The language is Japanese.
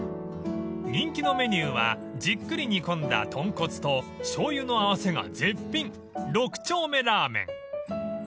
［人気のメニューはじっくり煮込んだ豚骨としょうゆの合わせが絶品六丁目ラーメン］